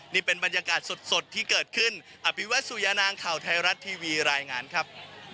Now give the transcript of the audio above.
นี่เป็นบรรยากาศสดที่เกิดขึ้นอภิวัตสุยานางข่าวไทยรัฐทีวีรายงานครับ